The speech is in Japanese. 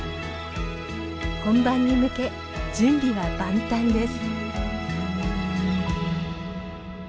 本番に向け準備は万端です。